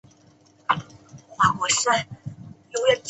现时该军营由驻港解放军驻守。